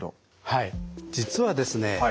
はい実はですね